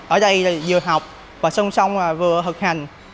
ở đây vừa học và xong xong vừa thực hành